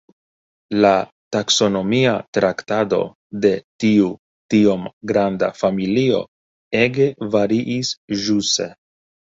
La taksonomia traktado de tiu tiom granda familio ege variis ĵuse.